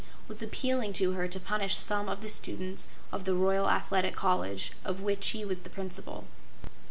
was appealing to her to punish some of the students of the Royal Athletic College, of which he was the Principal.